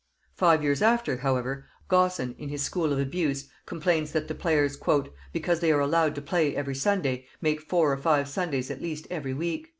Five years after, however, Gosson in his School of Abuse complains that the players, "because they are allowed to play every Sunday, make four or five Sundays at least every week."